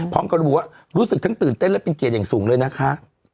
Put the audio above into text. พร้อมกับระบุว่ารู้สึกทั้งตื่นเต้นและเป็นเกียรติอย่างสูงเลยนะคะ